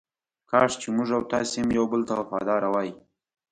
کاش چې موږ او تاسې هم یو بل ته وفاداره وای.